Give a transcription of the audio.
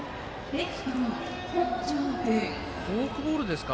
フォークボールですか。